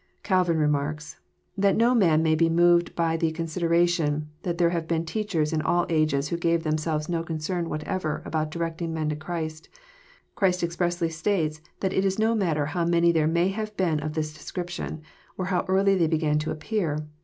Calvin r«marks :" That no man may be moved by the consid eration, that there have been teachers in all ages who gave themselves no concern whatever about directing men to Christ, Christ expressly st&tes that it is no matter how many there may have been of this description, or how early they began to appear.